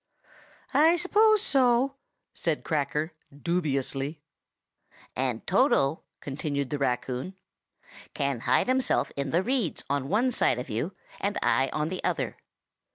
"I suppose so," said Cracker, dubiously. "And Toto," continued the raccoon, "can hide himself in the reeds on one side of you, and I on the other.